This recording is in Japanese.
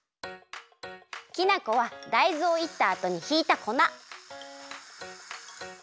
きな粉はだいずをいったあとにひいたこな。